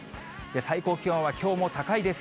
最高気温はきょうも高いです。